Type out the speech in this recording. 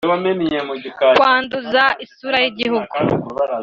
kwanduza isura y’igihugu